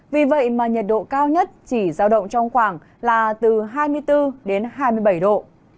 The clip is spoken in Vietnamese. vì vậy mà nhiệt độ cao nhất chỉ giao động trong khoảng là từ hai mươi bốn đến hai mươi bảy độ